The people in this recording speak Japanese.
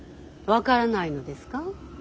分からないのですか。